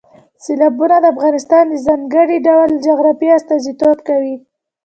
سیلابونه د افغانستان د ځانګړي ډول جغرافیه استازیتوب کوي.